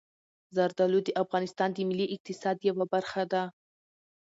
زردالو د افغانستان د ملي اقتصاد یوه برخه ده.